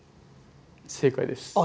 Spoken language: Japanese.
正解です。